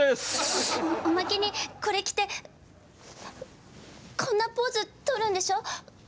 おまけにこれ着てこんなポーズ取るんでしょ？